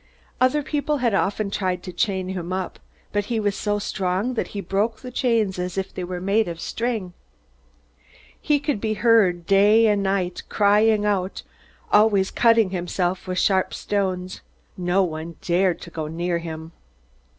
Other people had often tried to chain him up, but he was so strong that he broke the chains as if they were made of string. He could be heard crying out, day and night, and he was always cutting himself with sharp stones. No one dared to go near him.